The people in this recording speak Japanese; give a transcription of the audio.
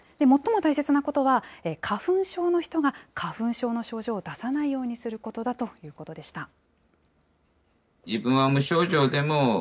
最も大切なことは、花粉症の人が花粉症の症状を出さないようにすることだということでした。